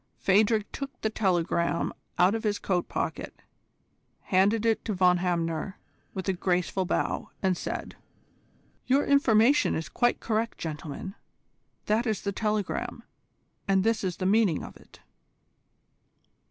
Phadrig took the telegram out of his coat pocket, handed it to Von Hamner with a graceful bow, and said: "Your information is quite correct, gentlemen. That is the telegram, and this is the meaning of it."